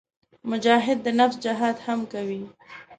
مجاهد د نفس جهاد هم کوي.